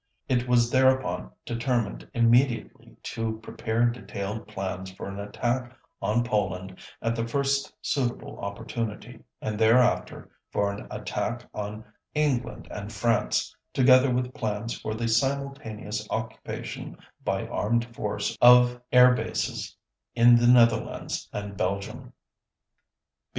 It was thereupon determined immediately to prepare detailed plans for an attack on Poland at the first suitable opportunity and thereafter for an attack on England and France, together with plans for the simultaneous occupation by armed force of air bases in the Netherlands and Belgium.